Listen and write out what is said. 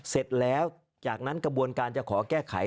เสร็จแล้วจากนั้นกระบวนการจะขอแก้ไข